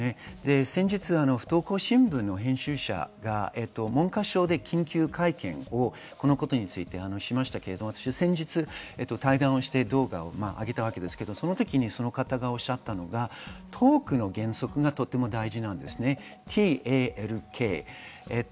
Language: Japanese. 先日、不登校新聞の編集者が文科省で緊急会見をこのことについてしましたが、先日、対談して動画をあげたんですが、その時にその方がおっしゃったのがトークの原則がとっても大事。